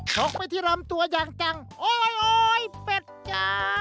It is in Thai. ชกไปที่รอบตัวอย่างจังโอ๊ยเป็ดจ้ะ